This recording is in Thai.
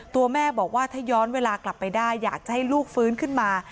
ตัวแม่บอกว่าถ้าย้อนเวลากลับไปได้อยากจะให้ลูกฟื้นขึ้นมา